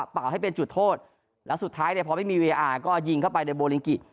แป่งให้เป็นจุดโทษและสุดท้ายพอไม่มีวีอะอาก็ยิงเข้าไปโบรีงคอร์